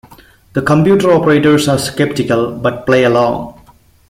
The computer operators are skeptical but play along.